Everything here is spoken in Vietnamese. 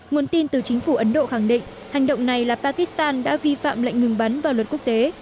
nguồn tin từ chính phủ ấn độ khẳng định hành động này là pakistan đã vi phạm lệnh ngừng bắn vào luật quốc tế